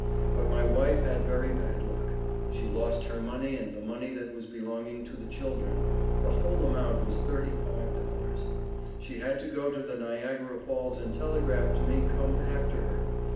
But my wife had very bad luck. She lost her money and the money that was belonging to the children, the whole amount was 35 dollars. She had to go to the Niagara falls and Telegraph to me come after her.